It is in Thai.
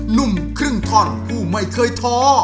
หนุ่มครึ่งท่อนผู้ไม่เคยท้อ